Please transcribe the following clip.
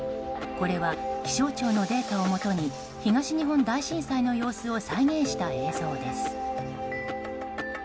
これは、気象庁のデータをもとに東日本大震災の様子を再現した映像です。